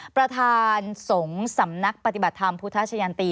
ประธานสงฆ์สำนักปฏิบัติธรรมพุทธชะยันตี